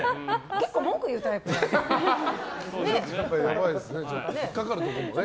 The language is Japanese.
結構、文句言うタイプだね。